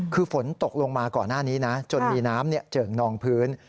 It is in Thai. คือฝนตกลงมาก่อนหน้านี้นะจนมีน้ำเจิ่งนองพื้น